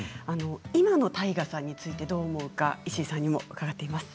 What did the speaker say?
今の太賀さんについてどう思うか石井さんにも伺っています。